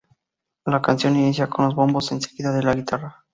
La canción inicia con los bombos, seguida de la guitarra.